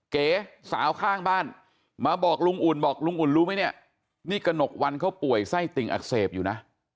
เก๋สาวข้างบ้านมาบอกลุงอุ่นบอกลุงอุ่นรู้ไหมเนี่ยนี่กระหนกวันเขาป่วยไส้ติ่งอักเสบอยู่นะ